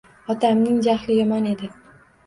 Otamning jahli yomon edi.